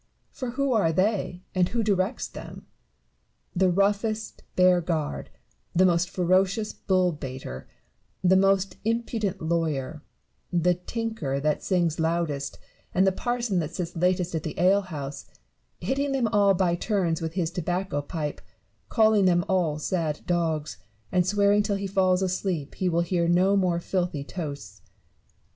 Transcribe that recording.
For who are they, and who direct them 1 — the roughest bear guard, the most ferocious bull baiter, the most impudent lawyer, the tinker that sings loudest, and the parson that sits latest at the ale house, hitting them all by turns with his tobacco pipe, calling them all sad dogs, and swearing till he falls asleep he will hear no more filthy toasts.